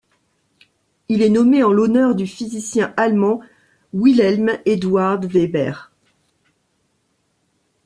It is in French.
Il est nommé en l’honneur du physicien allemand Wilhelm Eduard Weber.